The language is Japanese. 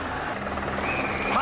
さあ